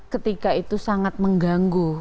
ketika itu sangat mengganggu